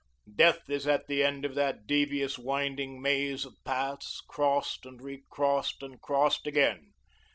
Death is at the end of that devious, winding maze of paths, crossed and re crossed and crossed again.